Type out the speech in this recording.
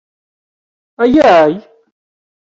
Ayay!